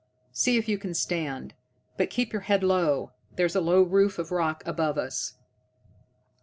See if you can stand, but keep your head low. There's a low roof of rock above us."